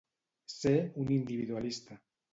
Ser un individualista.